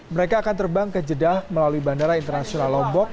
mereka akan terbang ke jeddah melalui bandara internasional lombok